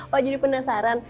pak jadi penasaran